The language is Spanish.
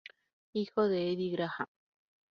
Hijo de Eddie Graham.